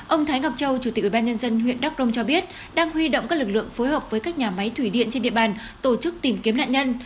ông thái ngọc châu chủ tịch ubnd huyện đắk rông cho biết đang huy động các lực lượng phối hợp với các nhà máy thủy điện trên địa bàn tổ chức tìm kiếm nạn nhân